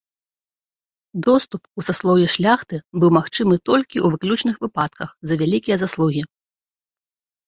Доступ у саслоўе шляхты быў магчымы толькі ў выключных выпадках за вялікія заслугі.